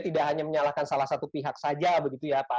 tidak hanya menyalahkan salah satu pihak saja begitu ya pak